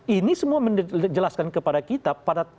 ini semua menjelaskan kepada kita